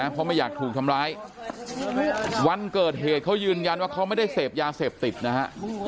เพราะไม่อยากถูกทำร้ายวันเกิดเหตุเขายืนยันว่าเขาไม่ได้เสพยาเสพติดนะฮะ